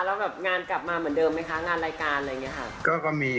แล้วแบบงานกลับมาเหมือนเดิมไหมคะงานรายการอะไรอย่างนี้ค่ะ